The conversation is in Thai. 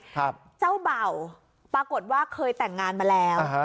เจ้าเบ่าปรากฏว่าเคยแต่งงานมาแล้วฮะ